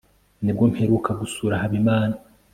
nibwo mperuka gusura habimana